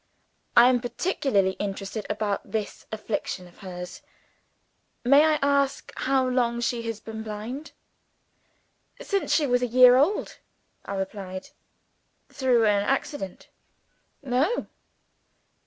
I am particularly interested about this affliction of hers. May I ask how long she has been blind?" "Since she was a year old," I replied. "Through an accident?" "No."